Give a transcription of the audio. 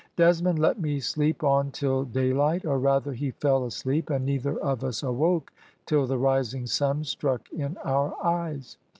"Desmond let me sleep on till daylight, or, rather, he fell asleep, and neither of us awoke till the rising sun struck in our eyes.